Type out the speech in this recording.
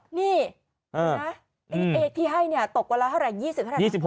นี่เนี่ยที่ให้เนี่ยตกเวลาเท่าไหร่๒๐เท่าไหร่